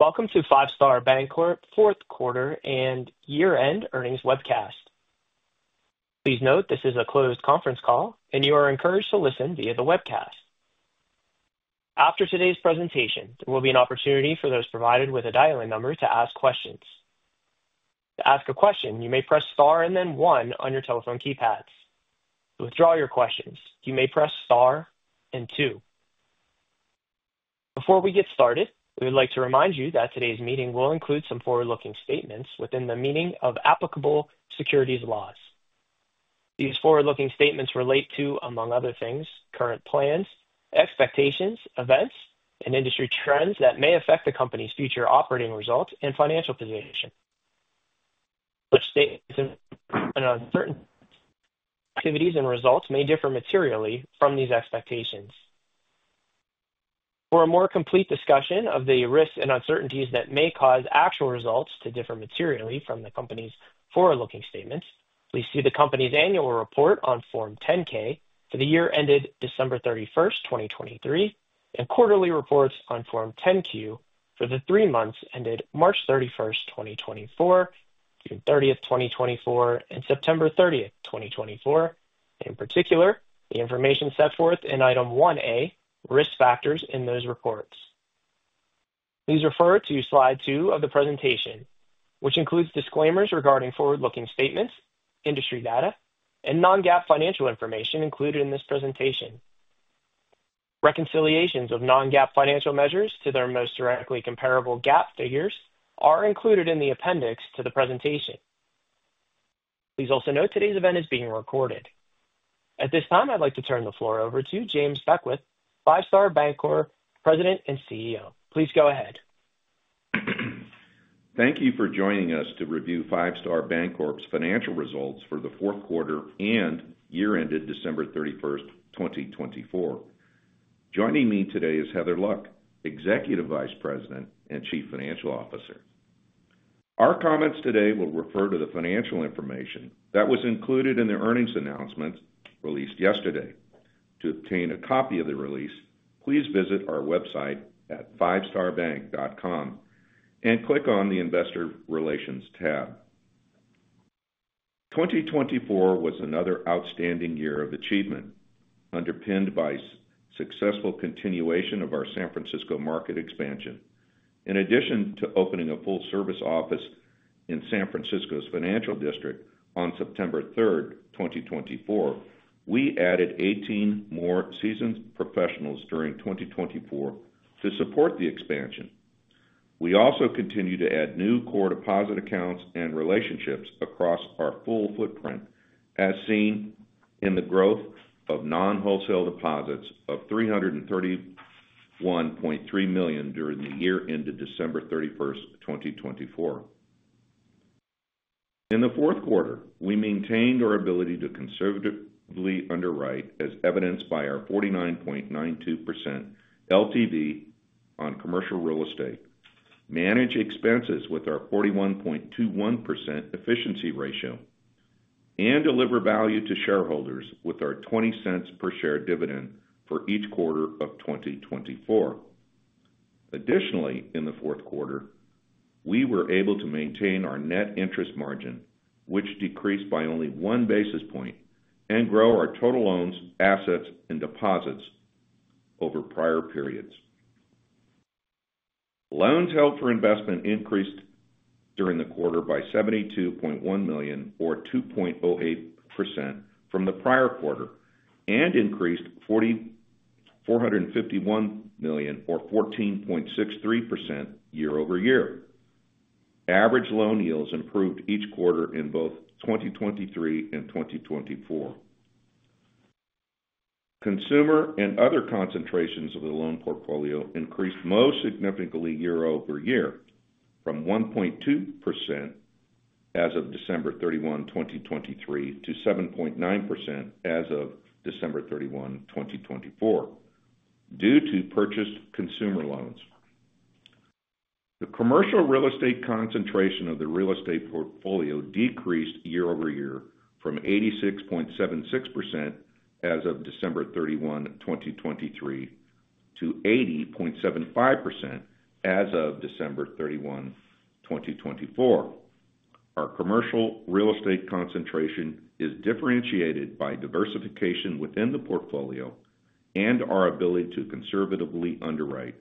Welcome to Five Star Bancorp Fourth Quarter and Year-End Earnings Webcast. Please note this is a closed conference call and you are encouraged to listen via the webcast. After today's presentation, there will be an opportunity for those provided with a dial-in number to ask questions. To ask a question you may press star and then one on your telephone keypads. To withdraw your questions you may press star and two. Before we get started, we would like to remind you that today's meeting will include some forward-looking statements within the meaning of applicable securities laws. These forward-looking statements relate to, among other things, current plans, expectations, events and industry trends that may affect the Company's future operating results and financial position. Such statement and uncertainty activities and results may differ materially from these expectations. For a more complete discussion of the risks and uncertainties that may cause actual results to differ materially from the Company's forward-looking statements, please see the Company's annual report on Form 10-K for the year ended December 31, 2023 and quarterly reports on Form 10-Q for the three months ended March 31, 2024, June 30, 2024 and September 30, 2024. In particular, the information set forth in Item 1A Risk Factors in those reports. Please refer to slide two of the presentation which includes disclaimers regarding forward-looking statements, industry data and non-GAAP financial information included in this presentation. Reconciliations of non-GAAP financial measures to their most directly comparable GAAP figures are included in the appendix to the presentation. Please also note today's event is being recorded at this time. I'd like to turn the floor over to James Beckwith, Five Star Bancorp President and CEO. Please go ahead. Thank you for joining us to review Five Star Bancorp's financial results for the fourth quarter and year ended December 31, 2024. Joining me today is Heather Luck, Executive Vice President and Chief Financial Officer. Our comments today will refer to the financial information that was included in the earnings announcement released yesterday. To obtain a copy of the release, please visit our website at fivestarbank.com and click on the Investor Relations tab. 2024 was another outstanding year of achievement underpinned by successful continuation of our San Francisco market expansion. In addition to opening a full service office in San Francisco's Financial District on September 3, 2024, we added 18 more seasoned professionals during 2024 to support the expansion. We also continue to add new core deposit accounts and relationships across our full footprint as seen in the growth of non-wholesale deposits of $331.3 million during the year ended December 31, 2024. In the fourth quarter, we maintained our ability to conservatively underwrite as evidenced by our 49.92% LTV on commercial real estate, manage expenses with our 41.21% efficiency ratio, and deliver value to shareholders with our $0.20 per share dividend for each quarter of 2024. Additionally, in the fourth quarter we were able to maintain our net interest margin, which decreased by only one basis point, and grow our total loans, assets and deposits over prior periods. Loans held for investment increased during the quarter by $72.1 million or 2.08% from the prior quarter and increased $451 million, or 14.63% year-over-year. Average loan yields improved each quarter in both 2023 and 2024. Consumer and other concentrations of the loan portfolio increased most significantly year-over-year from 1.2% as of December 31, 2023 to 7.9% as of December 31, 2024 due to purchased consumer loans. The commercial real estate concentration of the real estate portfolio decreased year-over-year from 86.76% as of December 31, 2023 to 80.75% as of December 31, 2024. Our commercial real estate concentration is differentiated by diversification within the portfolio and our ability to conservatively underwrite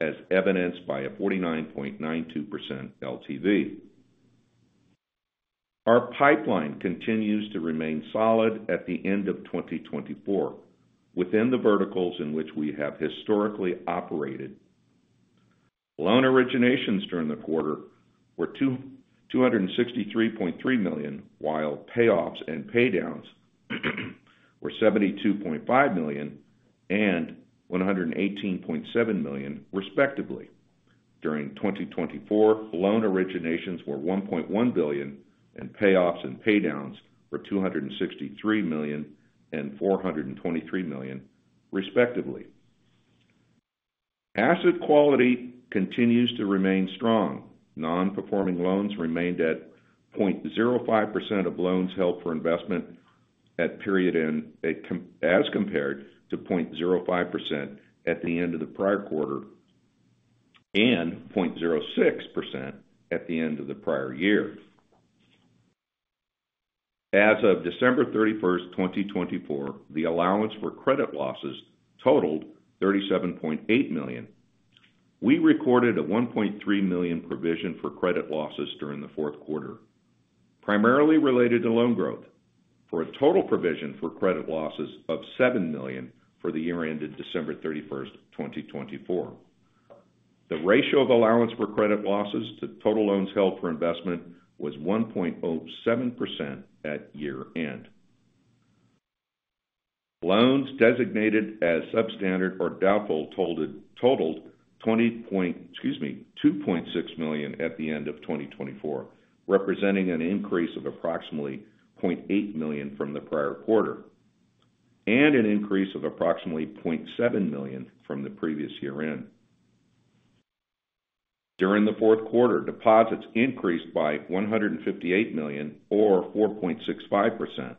as evidenced by a 49.92% LTV. Our pipeline continues to remain solid at the end of 2024 within the verticals in which we have historically operated. Loan originations during the quarter were $263.3 million, while payoffs and paydowns were $72.5 million and $118.7 million, respectively. During 2024, loan originations were $1.1 billion and payoffs and paydowns were $263 million and $423 million, respectively. Asset quality continues to remain strong. Non-performing loans remained at 0.05% of loans held for investment at period end as compared to 0.05% at the end of the prior quarter and 0.06% at the end of the prior year. As of December 31, 2024, the Allowance for Credit Losses totaled $37.8 million. We recorded a $1.3 million provision for credit losses during the fourth quarter primarily related to loan growth for a total provision for credit losses of $7 million for the year ended December 31, 2024. The ratio of Allowance for Credit Losses to total loans held for investment was 1.07% at year end. Loans designated as substandard or doubtful totaled 20 point. Excuse me, 2.6 million at the end of 2024 representing an increase of approximately 0.8 million from the prior quarter and an increase of approximately 0.7 million from the previous year end. During the fourth quarter, deposits increased by $158 million or 4.65%.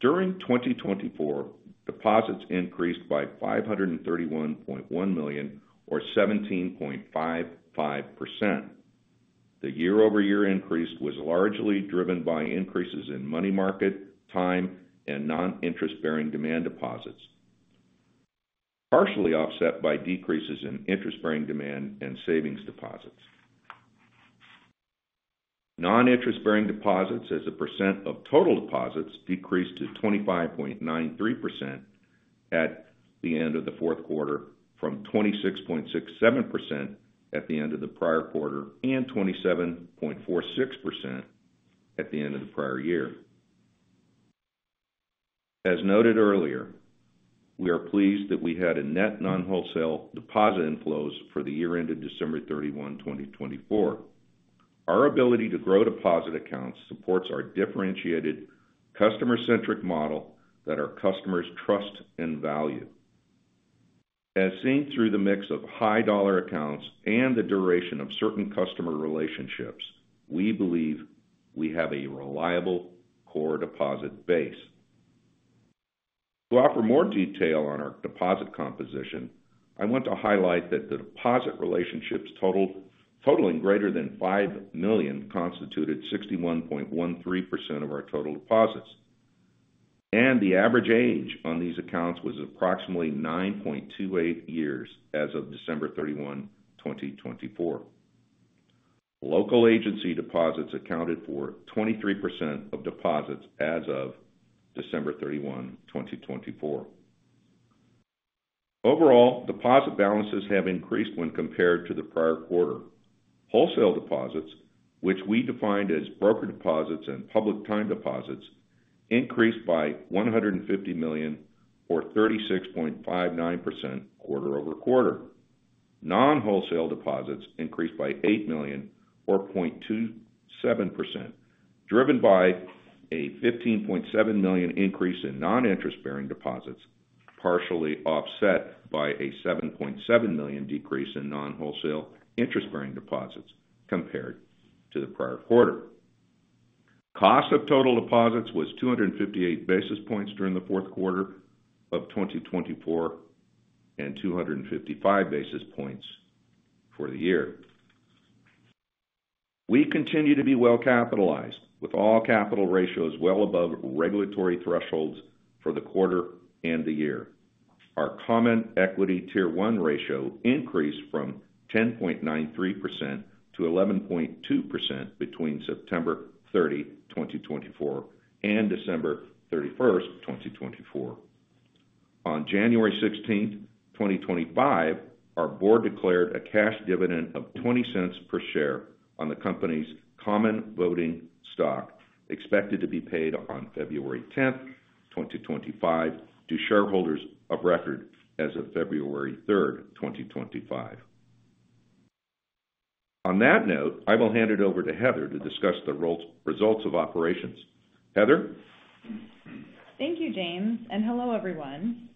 During 2024, deposits increased by $531.1 million or 17.55%. The year-over-year increase was largely driven by increases in money market, time, and non-interest-bearing demand deposits, partially offset by decreases in interest-bearing demand and savings deposits. Non-interest-bearing deposits as a percent of total deposits decreased to 25.93% at the end of the fourth quarter from 26.67% at the end of the prior quarter and 27% at the end of the prior year. As noted earlier, we are pleased that we had a net non-wholesale deposit inflow for the year ended December 31, 2024. Our ability to grow deposit accounts supports our differentiated customer-centric model that our customers trust and value, as seen through the mix of high-dollar accounts and the duration of certain customer relationships. We believe we have a reliable core deposit base. To offer more detail on our deposit composition, I want to highlight that the deposit relationships totaling greater than $5 million constituted 61.13% of our total deposits and the average age on these accounts was approximately 9.28 years as of December 31, 2024. Local agency deposits accounted for 23% of deposits as of December 31, 2024. Overall deposit balances have increased when compared to the prior quarter. Wholesale deposits, which we defined as broker deposits and public time deposits, increased by $150 million or 36.59% quarter-over-quarter. Non-wholesale deposits increased by $8 million or 0.27% driven by a $15.7 million increase in non-interest-bearing deposits partially offset by a $7.7 million decrease in non-wholesale interest-bearing deposits compared to the prior quarter. Cost of total deposits was 258 basis points during the fourth quarter of 2024 and 255 basis points for the year. We continue to be well capitalized with all capital ratios well above regulatory thresholds for the quarter and the year. Our Common Equity Tier 1 ratio increased from 10.93% to 11.2% between September 30, 2024 and December 31, 2024. On January 16, 2025, our board declared a cash dividend of $0.20 per share on the company's common voting stock expected to be paid on February 10, 2025 to shareholders of record as of February 3. On that note, I will hand it over to Heather to discuss the results of operations. Heather, thank you, James, and hello everyone.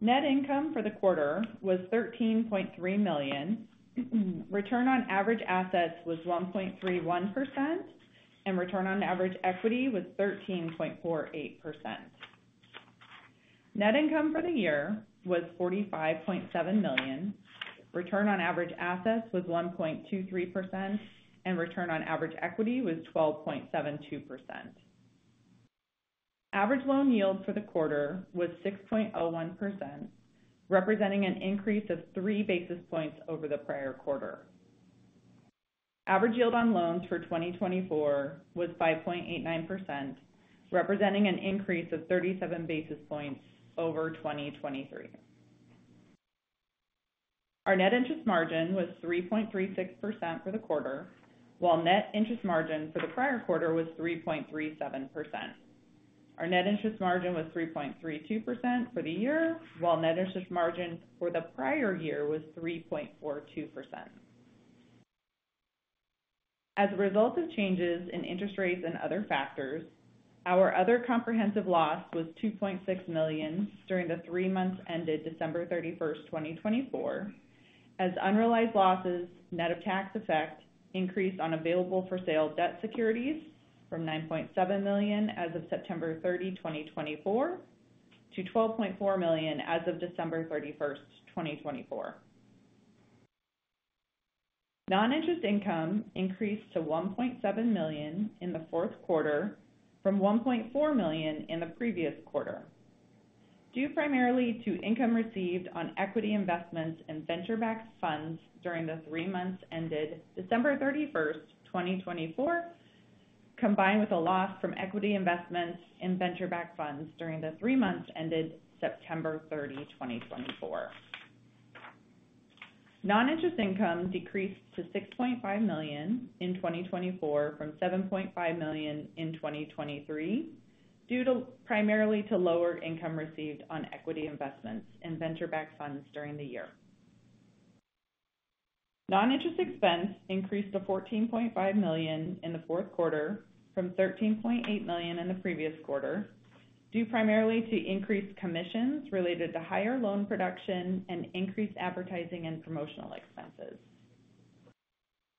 Net income for the quarter was $13.3 million. Return on average assets was 1.31% and return on average equity was 13.48%. Net income for the year was $45.7 million. Return on average assets was 1.23% and return on average equity was 12.72%. Average loan yield for the quarter was 6.01%, representing an increase of 3 basis points over the prior quarter. Average yield on loans for 2024 was 5.89%, representing an increase of 37 basis points over 2023. Our net interest margin was 3.36% for the quarter, while net interest margin for the prior quarter was 3.37%. Our net interest margin was 3.32% for the year while net interest margin for the prior year was 3.42% as a result of changes in interest rates and other factors. Our other comprehensive loss was $2.6 million during the three months ended December 31, 2024 as unrealized losses net of tax effect increased on available-for-sale debt securities from $9.7 million as of September 30, 2024 to $12.4 million as of December 31, 2024. Non-interest income increased to $1.7 million in the fourth quarter from $1.4 million in the previous quarter due primarily to income received on equity investments and venture-backed funds during the three months ended December 31, 2024 combined with a loss from equity investments in venture-backed funds during the three months ended September 30, 2024. Non-interest income decreased to $6.5 million in 2024 from $7.5 million in 2023 due primarily to lower income received on equity investments in venture-backed funds during the year. Noninterest expense increased to $14.5 million in the fourth quarter from $13.8 million in the previous quarter due primarily to increased commissions related to higher loan production and increased advertising and promotional expenses.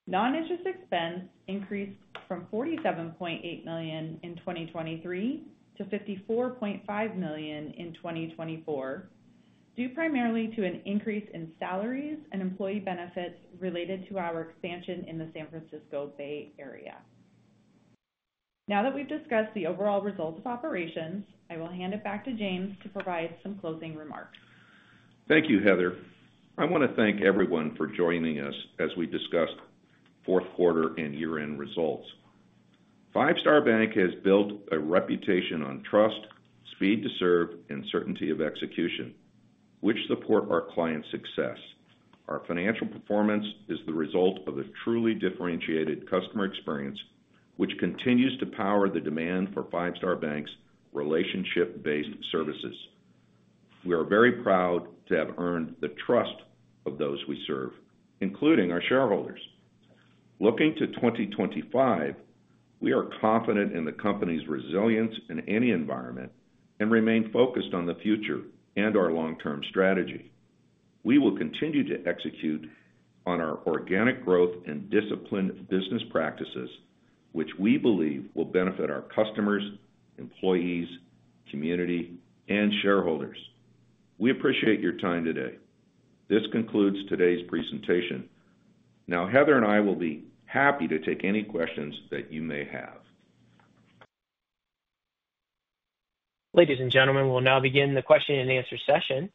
Noninterest income increased from $47.8 million in 2023 to $54.5 million in 2024 due primarily to an increase in salaries and employee benefits related to our expansion in the San Francisco Bay Area. Now that we've discussed the overall results of operations, I will hand it back to James to provide some closing remarks. Thank you, Heather. I want to thank everyone for joining us as we discussed fourth quarter and year-end results. Five Star Bank has built a reputation on trust, speed to serve, and certainty of execution which support our client's success. Our financial performance is the result of a truly differentiated customer experience which continues to power the demand for Five Star Bank's relationship-based services. We are very proud to have earned the trust of those we serve, including our shareholders. Looking to 2025, we are confident in the company's resilience in any environment and remain focused on the future and our long-term strategy. We will continue to execute on our organic growth and disciplined business practices which we believe will benefit our customers, employees, community, and shareholders. We appreciate your time today. This concludes today's presentation. Now Heather and I will be happy to take any questions that you may have. Ladies and gentlemen, we'll now begin the question and answer session.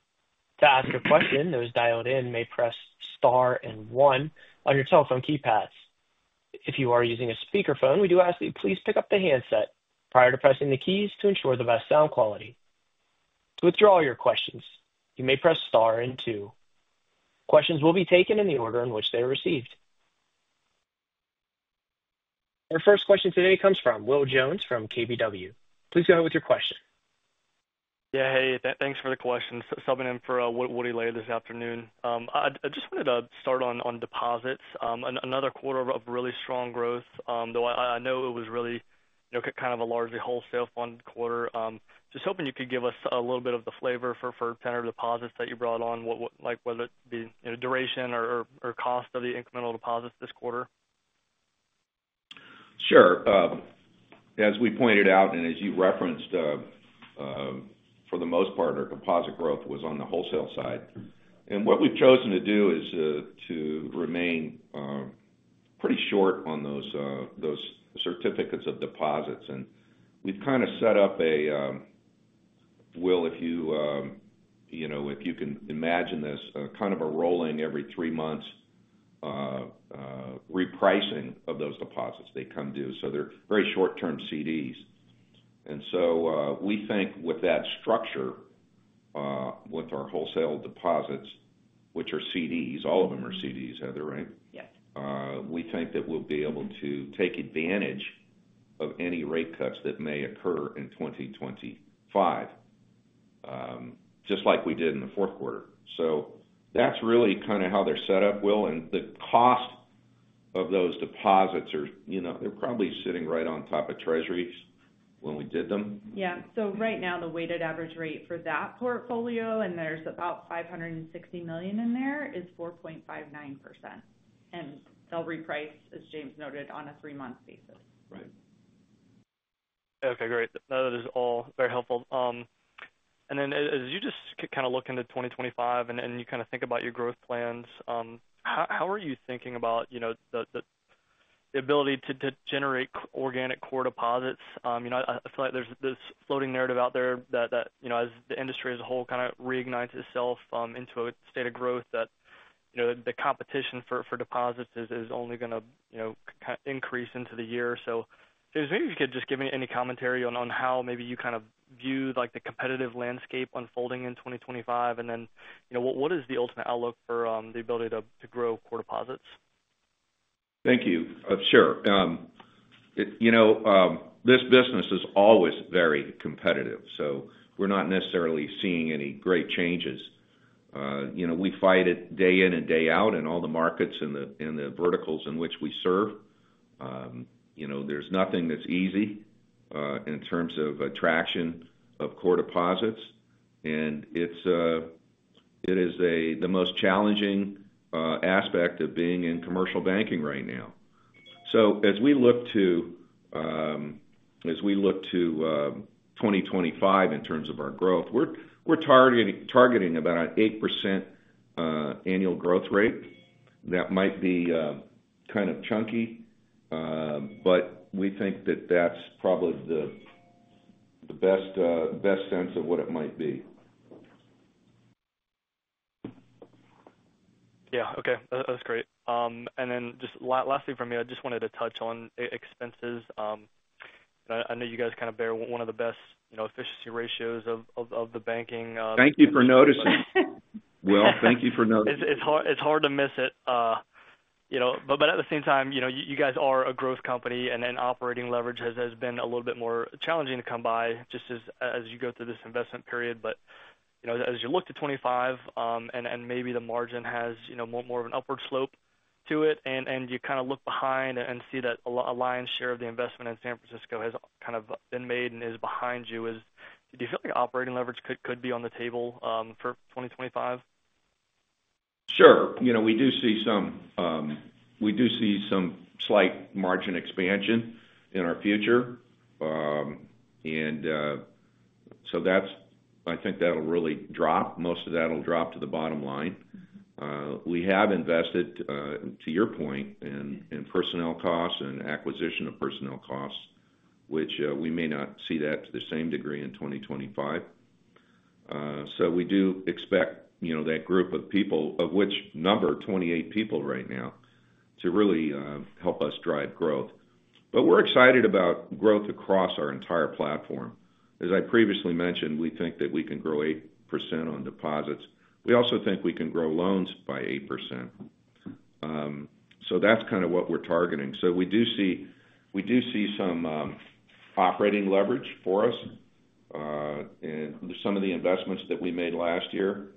To ask a question, those dialed in may press star and one on your telephone keypads. If you are using a speakerphone, we. I ask that you please pick up. the handset prior to pressing the keys to ensure the best sound quality. To withdraw your question, you may press star then two. Questions will be taken in the order in which they are received. Our first question today comes from Will Jones from KBW. Please go ahead with your question. Yeah, hey, thanks for the question. Subbing in for Woody later this afternoon. I just wanted to start on deposits. Another quarter of really strong growth though. I know it was really kind of a largely wholesale fund quarter. Just hoping you could give us a little bit of the flavor for tender deposits that you brought on, like whether it be duration or cost of the incremental deposits this quarter. Sure. As we pointed out and as you referenced, for the most part, our composite growth was on the wholesale side. And what we've chosen to do is to remain pretty short on those certificates of deposits. And we've kind of set up. Will, if you, you know, if you can imagine this kind of a rolling every three months repricing of those deposits, they come due. So they're very short term CDs. And so we think with that structure with our wholesale deposits, which are CDs, all of them are CDs, Heather. Right. Yes. We think that we'll be able to take advantage of any rate cuts that may occur in 2025, just like we did in the fourth quarter. So that's really kind of how they're set up, Will. The cost of those deposits are, you know, they're probably sitting right on top of Treasuries when we did them. Yeah. So right now the weighted average rate for that portfolio and there's about $560 million in there is 4.59%. And they'll reprice, as James noted, on a three-month basis. Right. Okay, great. That is all very helpful, and then as you just kind of look into 2025 and you kind of think about your growth plans, how are you thinking about the ability to generate organic core deposits? I feel like there's this floating narrative out there that as the industry as a whole kind of reignites itself into a state of growth, that the competition for deposits is only going to increase into the year, so maybe if you could just give me any commentary on how maybe you kind of view like the competitive landscape unfolding in 2025 and then what is the ultimate outlook for the ability to grow core deposits? Thank you. Sure. You know, this business is always very competitive, so we're not necessarily seeing any great changes. You know, we fight it day in and day out in all the markets in the verticals in which we serve. You know, there's nothing that's easy in terms of attraction of core deposits. And it is the most challenging aspect of being in commercial banking right now. So as we look to 2025 in terms of our growth, we're targeting about an 8% annual growth rate that might be kind of chunky, but we think that that's probably the best sense of what it might be. Yeah. Okay, that's great. And then lastly from you, I just wanted to touch on expenses. I know you guys kind of bear one of the best Efficiency Ratios of the banking. Thank you for noticing, Will. Thank you for noticing. It's hard to miss it. But at the same time, you guys are a growth company and operating leverage has been a little bit more challenging to come by just as you go through this investment period. But as you look to 2025 and maybe the margin has more of an upward slope to it and you kind of look behind and see that a lion's share of the investment in San Francisco has kind of been made and is behind you. Do you feel like operating leverage could be on the table for 2025? Sure. You know, we do see some slight margin expansion in our future, and so that's, I think, that'll really drop. Most of that will drop to the bottom line. We have invested, to your point, in personnel costs and acquisition of personnel costs, which we may not see that to the same degree in 2025. So we do expect, you know, that group of people of which number 28 people right now to really help us drive growth, but we're excited about growth across our entire platform. As I previously mentioned, we think that we can grow 8% on deposits. We also think we can grow loans by 8%. So that's kind of what we're targeting. So we do see some operating leverage for us. Some of the investments that we made last year,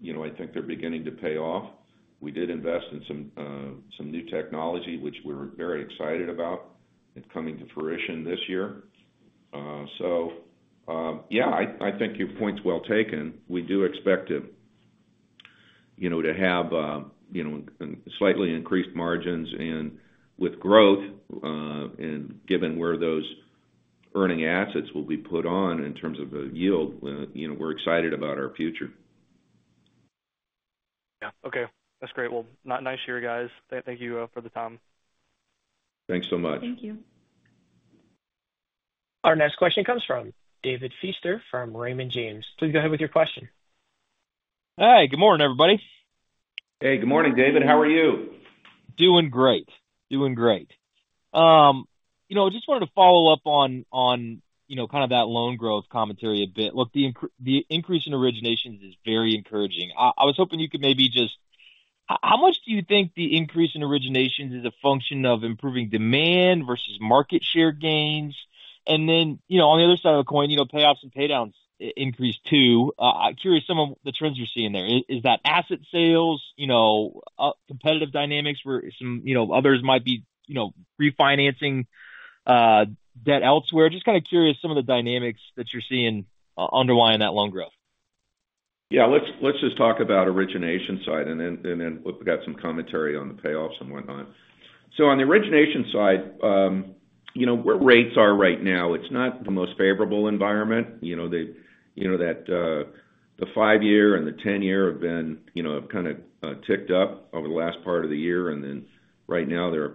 you know, I think they're beginning to pay off. We did invest in some new technology which we're very excited about. It's coming to fruition this year. So, yes, I think your point's well taken. We do expect to have slightly increased margins and with growth and given where those earning assets will be put on in terms of yield, we're excited about our future. Okay, that's great. Well, not nice here, guys. Thank you for the time. Thanks so much. Thank you. Our next question comes from David Feaster from Raymond James. Please go ahead with your question. Hi, good morning, everybody. Hey, good morning, David. How are you? Doing great. Doing great. You know, just wanted to follow up on, you know, kind of that loan growth commentary a bit. Look, the increase in originations is very encouraging. I was hoping you could maybe. Just how much do you think the. Increase in originations is a function of improving demand versus market share gains, and then, you know, on the other side of the coin, you know, payoffs and pay downs increase too. I'm curious some of the trends you're seeing there is that asset sales, you know, competitive dynamics where some, you know, others might be, you know, refinancing debt elsewhere. Just kind of curious, some of the dynamics that you're seeing underlying that loan growth. Yeah, let's just talk about origination side and then we got some commentary on the payoffs and whatnot. So on the origination side, you know, where rates are right now, it's not the most favorable environment, you know, that the five year and the ten year have been, you know, have kind of ticked up over the last part of the year. And then right now they're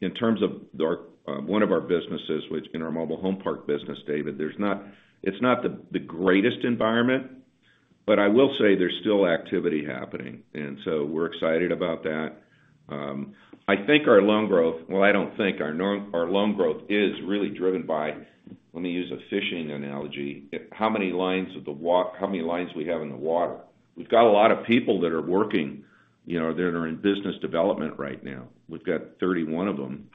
in terms of one of our businesses, which in our mobile home park business, David, there's not, it's not the greatest environment, but I will say there's still activity happening. And so we're excited about that. I think our loan growth, well, I don't think our loan growth is really driven by, let me use a fishing analogy, how many lines we have in the water. We've got a lot of people that are working that are in business development. Right now we've got 31 of them.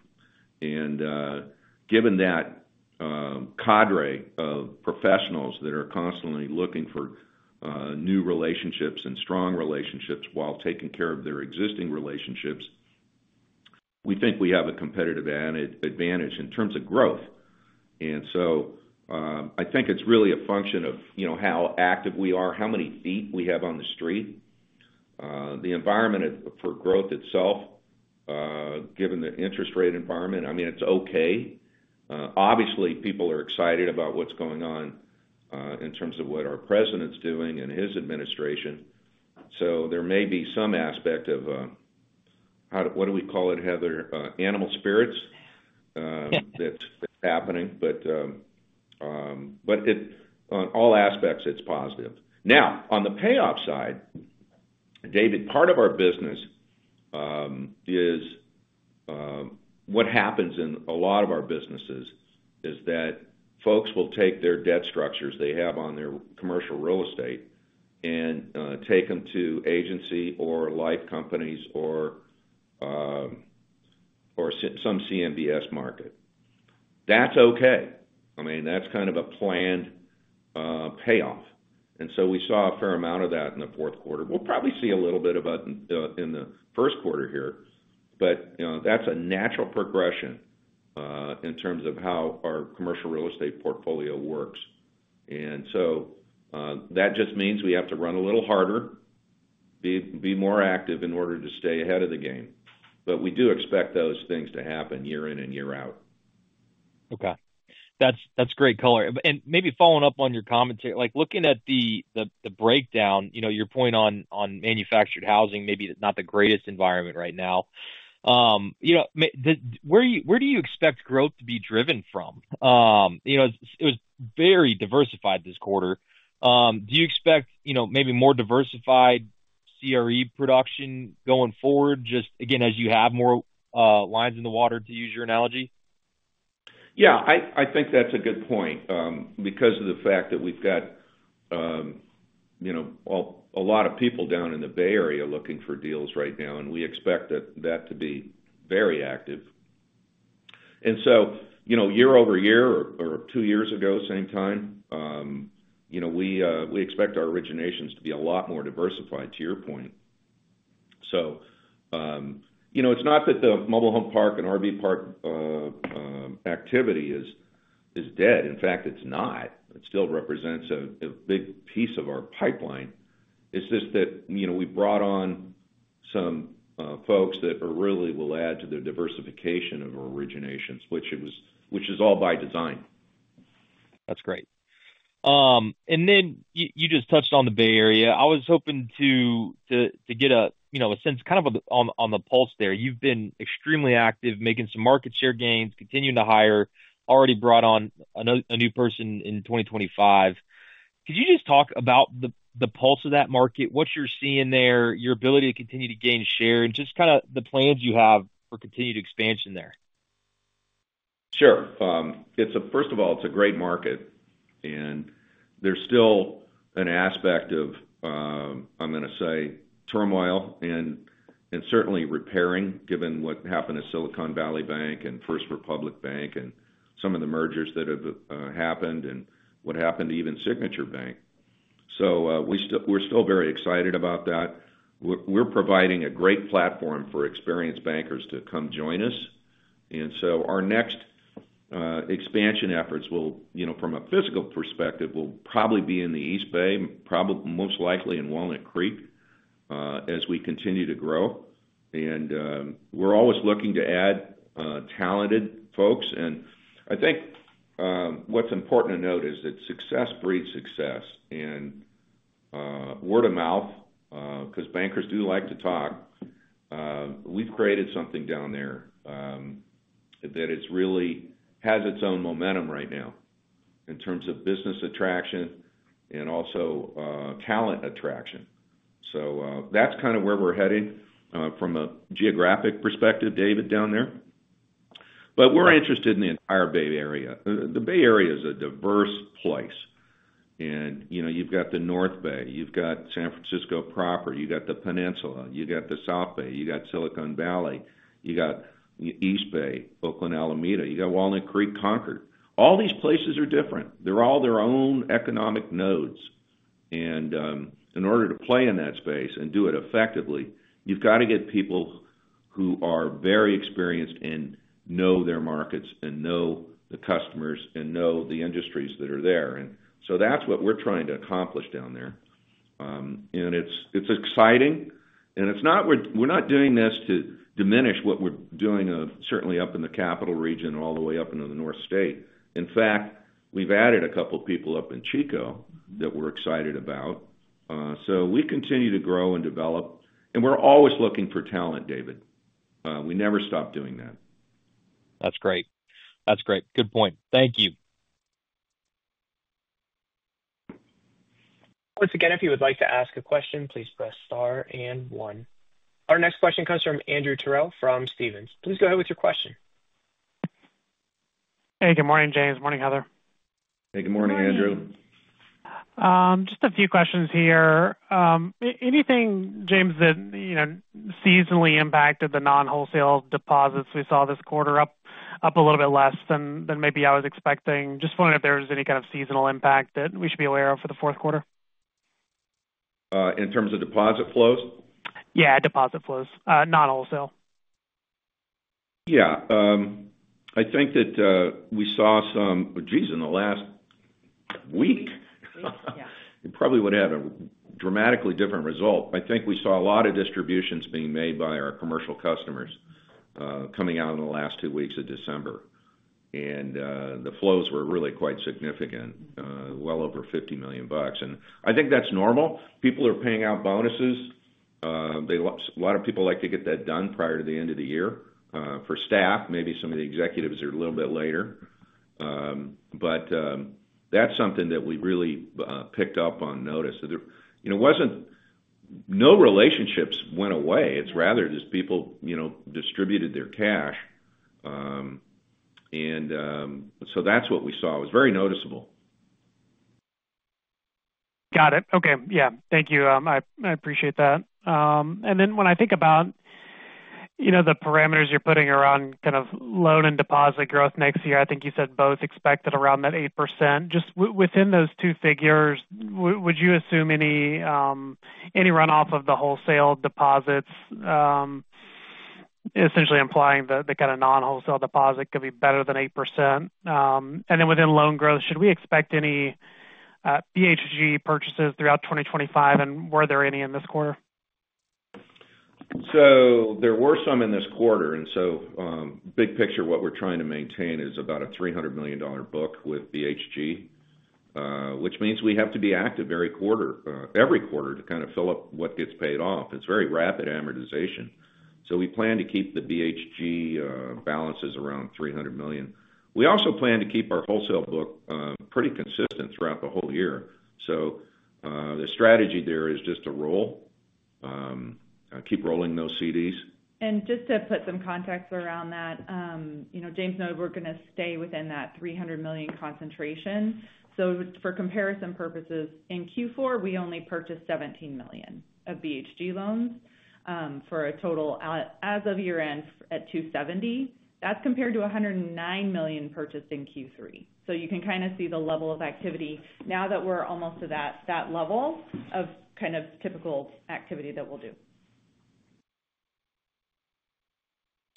And given that cadre of professionals that are constantly looking for new relationships and strong relationships while taking care of their existing relationships, we think we have a competitive advantage in terms of growth. And so I think it's really a function of how active we are, how many feet we have on the street. The environment for growth itself, given the interest rate environment, I mean, it's okay. Obviously, people are excited about what's going on in terms of what our president's doing and his administration. So there may be some aspect of what do we call it, Heather? Animal spirits, that's happening, but on all aspects, it's positive. Now, on the payoff side, David, part of our business is what happens in a lot of our businesses is that folks will take their debt structures they have on their commercial real estate and take them to agency or life companies or some CMBS market. That's okay. I mean, that's kind of a planned payoff. And so we saw a fair amount of that in the fourth quarter. We'll probably see a little bit of it in the first quarter here. But that's a natural progression in terms of how our commercial real estate portfolio works. And so that just means we have to run a little harder, be more active in order to stay ahead of the game. But we do expect those things to happen year in and year out. Okay, that's. That's great color. And maybe following up on your commentary, like looking at the breakdown, you know, your point on manufactured housing, maybe not the greatest environment right now, you know, where do you expect growth to be driven from? You know, it was very diversified this quarter. Do you expect, you know, maybe more diversified CRE production going forward, just, again, as you have more lines in the water, to use your analogy? Yeah, I think that's a good point because of the fact that we've got, you know, a lot of people down in the Bay Area looking for deals right now. And we expect that to be very active. And so, you know, year-over-year or two years ago, same time, you know, we expect our originations to be a lot more diversified, to your point. So, you know, it's not that the mobile home park and RV park activity is dead. In fact, it's not. It still represents a big piece of our pipeline. It's just that, you know, we brought on some folks that really will add to the diversification of our originations, which it was. Which is all by design. That's great. And then you. You just touched on the Bay Area. I was hoping to get a sense kind of on the pulse there. You've been extremely active, making some market share gains, continuing to hire, already brought on a new person in 2025. Could you just talk about the pulse of that market, what you're seeing there, your ability to continue to gain share and just kind of the plans you have for continued expansion there? Sure. First of all, it's a great market and there's still an aspect of, I'm going to say, turmoil and certainly repairing, given what happened at Silicon Valley Bank and First Republic Bank and some of the mergers that have happened and what happened even Signature Bank. So we're still very excited about that. We're providing a great platform for experienced bankers to come join us. And so our next expansion efforts will, you know, from a physical perspective will probably be in the East Bay, most likely in Walnut Creek as we continue to grow. And we're always looking to add talented folks. And I think what's important to note is that success breeds success and word of mouth because bankers do like to talk. And we've created something down there that really has its own momentum right now in terms of business attraction and also talent attraction. So that's kind of where we're heading from a geographic perspective, David, down there. But we're interested in the entire Bay Area. The Bay Area is a diverse place. And, you know, you've got the North Bay, you've got San Francisco proper, you've got the Peninsula, you got the South Bay, you've got Silicon Valley, you got East Bay, Oakland, Alameda, you got Walnut Creek, Concord. All these places are different. They're all their own economic nodes. And in order to play in that space and do it effectively, you've got to get people who are very experienced and know their markets and know the customers and know the industries that are there. So that's what we're trying to accomplish down there. And it's exciting. And it's not. We're not doing this to diminish what we're doing certainly up in the Capital Region, all the way up into the North State. In fact, we've added a couple people up in Chico that we're excited about. So we continue to grow and develop and we're always looking for talent, David. We never stop doing that. That's great. That's great. Good point. Thank you. Once again, if you would like to ask a question, please press star and one. Our next question comes from Andrew Terrell from Stephens. Please go ahead with your question. Hey, good morning, James. Morning, Heather. Hey, good morning, Andrew. Just a few questions here. Anything, James, that seasonally impacted the non-wholesale deposits? We saw this quarter up a little bit less than maybe I was expecting. Just wondering if there was any kind of seasonal impact that we should be aware of for the fourth quarter. In terms of deposit flows. Yeah, deposit flows, non-wholesale. Yeah, I think that we saw some geez in the last week. It probably would have a dramatically different result. I think we saw a lot of distributions being made by our commercial customers coming out in the last two weeks of December and the flows were really quite significant. Well over $50 million. And I think that's normal. People are paying out bonuses. A lot of people like to get that done prior to the end of the year for staff. Maybe some of the executives are a little bit later. But that's something that we really picked up on. Notice it wasn't no relationships went away. It's rather just people distributed their cash and so that's what we saw. It was very noticeable. Got it. Okay. Yeah, thank you, I appreciate that. And then when I think about, you know, the parameters you're putting around kind of loan and deposit growth next year, I think you said both expected around that 8%. Just within those two figures, would you assume any runoff of the wholesale deposits, essentially implying that the kind of non wholesale deposit could be better than 8%. And then within loan growth, should we expect any BHG purchases throughout 2025 and were there any in this quarter? So there were some in this quarter. And so big picture, what we're trying to maintain is about a $300 million book with BHG, which means we have to be active every quarter to kind of fill up what gets paid off. It's very rapid amortization. So we plan to keep the BHG balances around $300 million. We also plan to keep our wholesale book pretty consistent throughout the whole year. So the strategy there is just to roll, keep rolling those CDs. Just to put some context around that, you know, James noted, we're going to stay within that $300 million concentration. For comparison purposes, in Q4 we only purchased $17 million of BHG loans for a total as of year-end at $270 million. That's compared to $109 million purchased in Q3. You can kind of see the level of activity now that we're almost to that level of kind of typical activity that we'll do.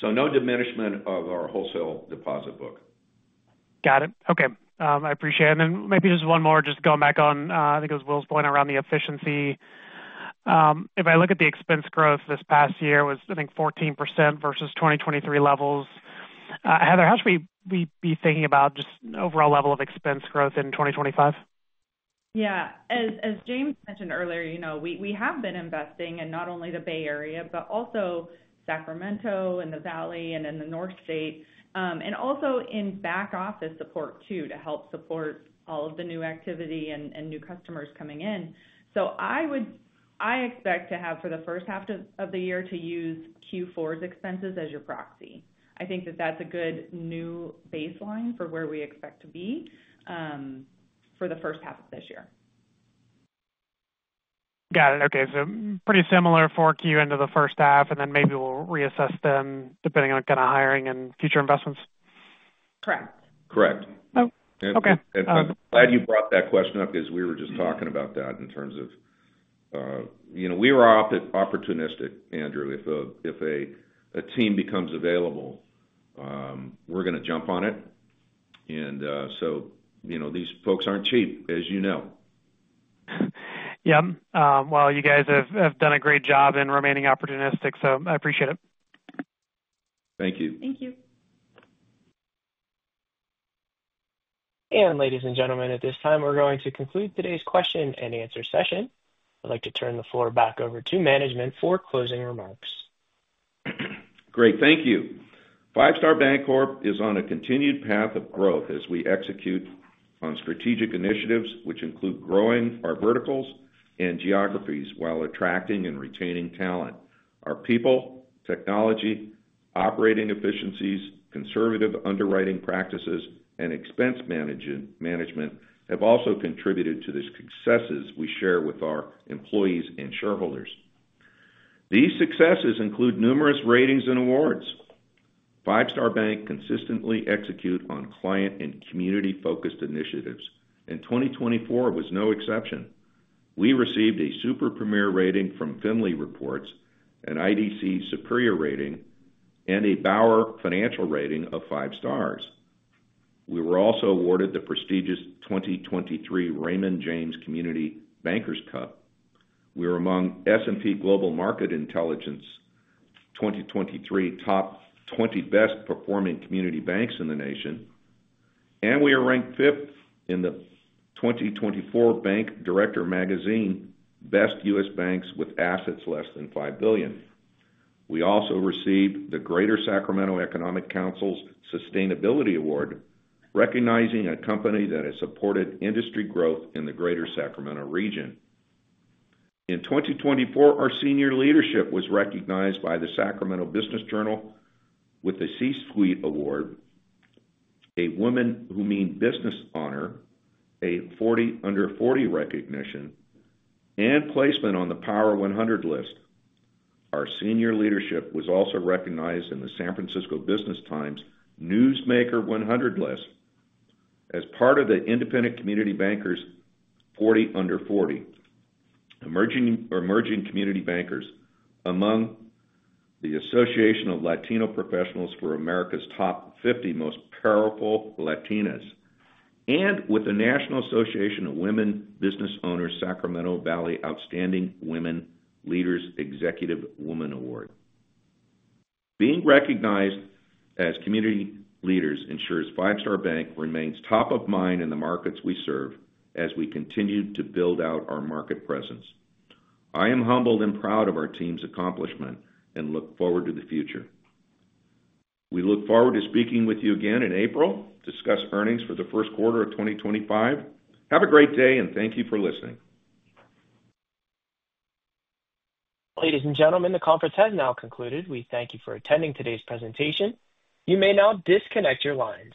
No diminishment of our wholesale deposit book. Got it. Okay. I appreciate it, and then maybe just one more just going back on I think it was Will's point around the efficiency. If I look at the expense growth, past year was, I think, 14% versus 2023 levels. Heather, how should we be thinking about just overall level of expense growth in 2025? Yeah, as James mentioned earlier, you know, we have been investing in not only the Bay Area, but also Sacramento and the Valley and in the North State and also in back office support too to help support all of the new activity and new customers coming in. So I would expect to have for the first half of the year to use Q4's expenses as your proxy. I think that that's a good new baseline for where we expect to be for the first half of this year. Got it. Okay. So pretty similar 4Q into the first half and then maybe we'll reassess them depending on kind of hiring and future investments. Correct. Correct. I'm glad you brought that question up because we were just talking about that in terms of, you know, we were opportunistic. Andrew. If a team becomes available, we're going to jump on it. And so, you know, these folks aren't cheap, as you know. Yep. Well, you guys have done a great job in remaining opportunistic. So I appreciate it. Thank you. Thank you. Ladies and gentlemen, at this time we're going to conclude today's question and answer session. I'd like to turn the floor back over to management for closing remarks. Great. Thank you. Five Star Bancorp is on a continued path of growth as we execute on strategic initiatives which include growing our verticals and geographies while attracting and retaining talent. Our people, technology, operating efficiencies, conservative underwriting practices and expense management have also contributed to the successes we share with our employees and shareholders. These successes include numerous ratings and awards. Five Star Bank consistently execute on client and community focused initiatives and 2024 was no exception. We received a Super Premier rating from Findley Reports, an IDC Superior rating and a BauerFinancial rating of five stars. We were also awarded the prestigious 2023 Raymond James Community Bankers Cup. We were among S&P Global Market Intelligence 2023 Top 20 Best-Performing Community Banks in the nation, and we are ranked fifth in the 2024 Bank Director magazine Best U.S. Banks with assets less than five billion. We also received the Greater Sacramento Economic Council's Sustainability Award recognizing a company that has supported industry growth in the Greater Sacramento region. In 2024, our senior leadership was recognized by the Sacramento Business Journal with the C-Suite Award, a Woman Who Means Business honor, a Forty Under 40 recognition, and placement on the Power 100 list. Our senior leadership was also recognized in the San Francisco Business Times Newsmaker 100 list as part of the Independent Community Bankers 40 Under 40 emerging community bankers, among the Association of Latino Professionals for America's top 50 Most Powerful Latinas, and with the National Association of Women Business Owners Sacramento Valley Outstanding Women Leaders Executive Woman Award. Being recognized as community leaders ensures Five Star Bank remains top of mind in the markets we serve as we continue to build out our market presence. I am humbled and proud of our team's accomplishment and look forward to the future. We look forward to speaking with you again in April. Discuss earnings for the first quarter of 2025. Have a great day and thank you for listening. Ladies and gentlemen, the conference has now concluded. We thank you for attending today's presentation. You may now disconnect your lines.